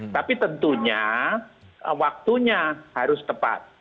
tapi tentunya waktunya harus tepat